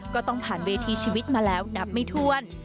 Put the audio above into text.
ก็ต้องผ่านเวทีชีวิตมาแล้วนับไม่ถ้วน